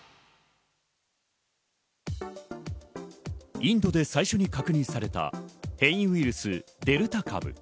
インドで最初に確認された変異ウイルス、デルタ株。